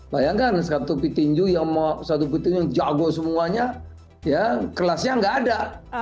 bayangkan satu pitinju yang jago semuanya kelasnya nggak ada